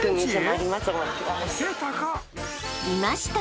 ［いました。